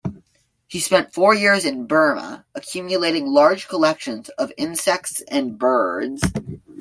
He spent four years in Burma, accumulating large collections of insects and birds.